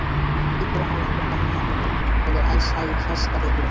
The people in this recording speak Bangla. ইকরামার নিকট পানি নেয়া হলে আইয়াস তা দেখলেন।